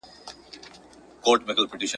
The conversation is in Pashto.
سیال مو نه دي د نړۍ واړه قومونه ,